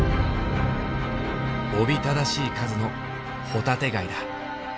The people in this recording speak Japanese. おびただしい数のホタテガイだ。